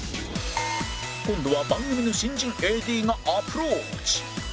今度は番組の新人 ＡＤ がアプローチ